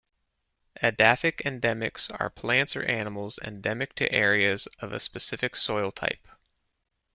Edaphic endemics are plants or animals endemic to areas of a specific soil type.